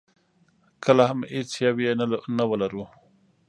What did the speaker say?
کله هم هېڅ یو یې نه ولرو.